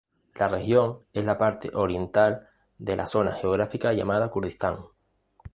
La región es la parte oriental de la zona geográfica llamada Kurdistán.